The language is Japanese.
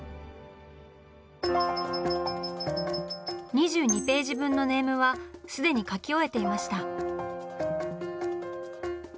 ２２ページ分のネームはすでに描き終えていました。